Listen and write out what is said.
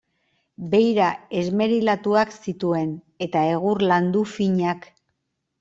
Beira esmerilatuak zituen, eta egur landu finak.